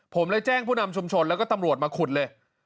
ผมเลยแจ้งผู้นำชุมชนแล้วก็ตำรวจมาขุดเลย